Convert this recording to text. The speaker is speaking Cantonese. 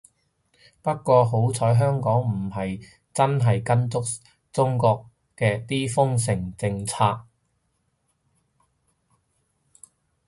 不過好彩香港唔係真係跟足中國啲封城政策